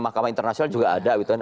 mahkamah internasional juga ada gitu kan